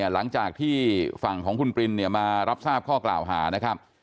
หลังจากที่ฝั่งของคุณปรินมารับทราบข้อกล่าวหานะครับ